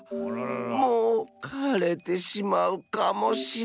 もうかれてしまうかもしれん。